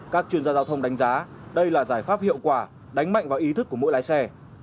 các chuyên gia giao thông đánh giá đây là giải pháp hiệu quả đánh mạnh vào ý thức của mỗi lái xe